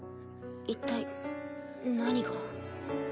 一体何が。